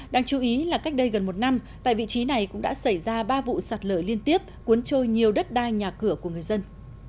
đáng chú ý là cách đây gần một năm tại vị trí này cũng đã xảy ra ba vụ sạt lở liên tiếp cuốn trôi nhiều đất đai nhà cửa của người dân